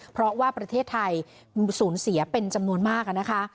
เพราะว่าประเทศไทยสูญเสียเป็นจำนวนมากนะคะ